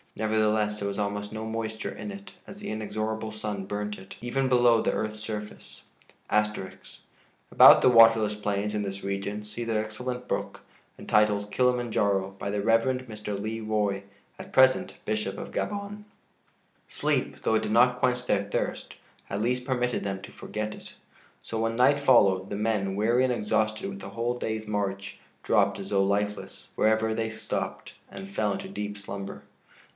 Nevertheless, there was almost no moisture in it, as the inexorable sun burnt it, even below the earth's surface.* [*About the waterless plains in this region see the excellent book, entitled "Kilima Njaro," by the Rev. Mr. Le Roy, at present Bishop of Gabon.] Sleep, though it did not quench their thirst, at least permitted them to forget it; so when night followed, the men, weary and exhausted with the whole day's march, dropped as though lifeless, wherever they stopped, and fell into deep slumber.